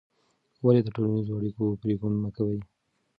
ولې د ټولنیزو اړیکو پرېکون مه کوې؟